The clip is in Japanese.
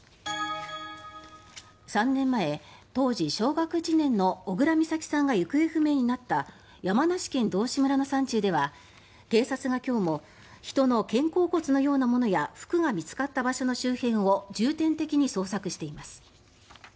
３年前、当時小学１年の小倉美咲さんが行方不明になった山梨県道志村の山中では警察が今日も人の肩甲骨のようなものや服が見つかった場所の周辺を重点的に捜索しています。